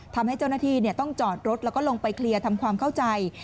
ทำให้เจ้าหน้าที่ต้องจอดรถแล้วก็ลงไปเคลียร์ทำความเข้าใจ